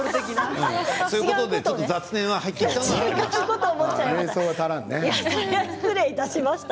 そういうことで雑念が入ってしまいました。